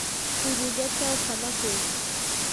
kullullachaw hamakuy.